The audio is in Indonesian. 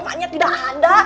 makanya tidak ada